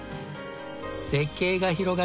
絶景が広がる